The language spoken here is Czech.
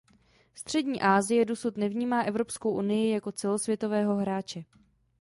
Střední Asie dosud nevnímá Evropskou unii jako celosvětového hráče.